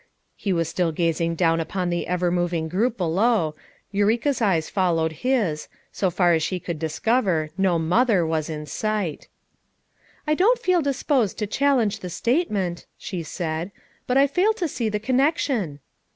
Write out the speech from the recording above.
He was still gazing down upon the ever moving group below; Eureka's eyes fol lowed his; so far as she could discover, no it mother" was in sight. FOUR MOTHERS AT CHAUTAUQUA 275 "I don't feel disposed to challenge the statement," she said. "But I fail to see the connection.'